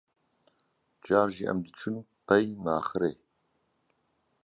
Car jî em diçun pey naxirê.